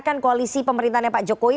kan koalisi pemerintahnya pak jokowi